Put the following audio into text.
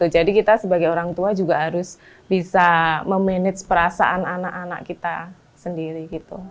jadi kita sebagai orang tua juga harus bisa memanage perasaan anak anak kita sendiri